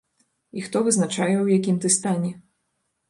І хто вызначае ў якім ты стане?